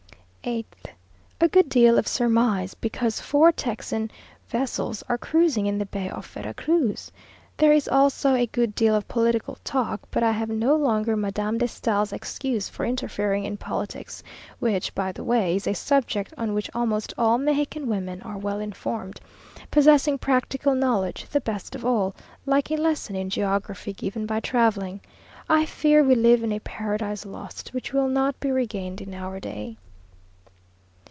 8th. A good deal of surmise, because four Texian vessels are cruising in the bay off Vera Cruz. There is also a good deal of political talk, but I have no longer Madame de Stael's excuse for interfering in politics, which, by the way, is a subject on which almost all Mexican women are well informed; possessing practical knowledge, the best of all, like a lesson in geography given by travelling. I fear we live in a Paradise Lost, which will not be regained in our day....